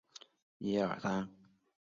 此时的鸣沙洲塔共计十四层。